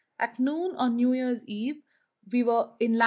At noon on New Year's Eve we were in lat.